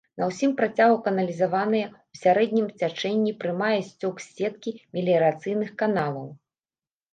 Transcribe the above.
На ўсім працягу каналізаваная, у сярэднім цячэнні прымае сцёк з сеткі меліярацыйных каналаў.